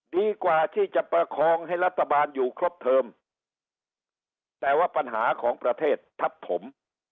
ดีกว่าที่จะประคองให้รัฐบาลอยู่ครบเทิมแต่ว่าปัญหาของประเทศทับถม